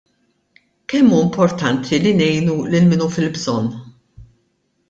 Kemm hu importanti li ngħinu lil min hu fil-bżonn?